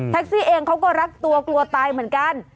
แท็กซี่เองตัวก็รักตัวกลัวตายเหมือนกัน